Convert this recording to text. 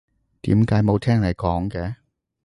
點解冇聽你講嘅？